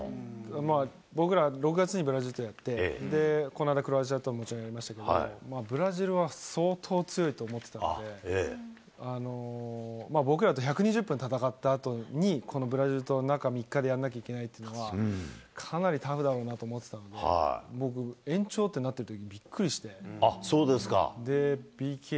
僕ら、６月にブラジルとやって、この間、クロアチアとももちろんやりましたけど、ブラジルは相当強いと思ってたので、僕らと１２０分戦ったあとに、このブラジルと中３日でやんなきゃいけないっていうのは、かなりタフだろうなと思ってたんで、僕、延長ってなったときにびっくりして。